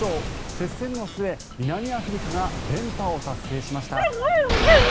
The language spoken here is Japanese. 接戦の末、南アフリカが連覇を達成しました。